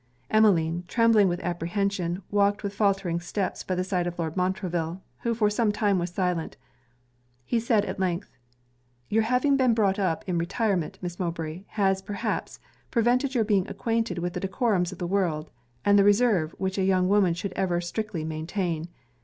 Emmeline, trembling with apprehension, walked with faultering steps by the side of Lord Montreville, who for some time was silent. He at length said 'Your having been brought up in retirement, Miss Mowbray, has, perhaps, prevented your being acquainted with the decorums of the world, and the reserve which a young woman should ever strictly maintain.